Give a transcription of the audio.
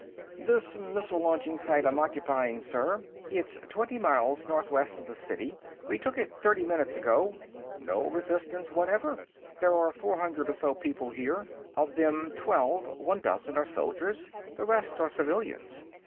"This missile launching site I'm occupying, sir; it's twenty miles north west of the city. We took it thirty minutes ago; no resistance whatever. There are four hundred or so people here. Of them, twelve, one dozen, are soldiers. The rest are civilians.